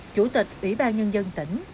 chủ tịch ủy ban nhân dân tỉnh